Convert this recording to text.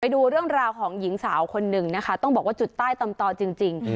ดูเรื่องราวของหญิงสาวคนหนึ่งนะคะต้องบอกว่าจุดใต้ตำต่อจริง